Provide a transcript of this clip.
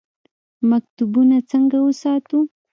مکتبونه څنګه وساتو؟